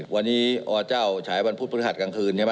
วันนี้อเจ้าฉายวันพุธพฤหัสกลางคืนใช่ไหม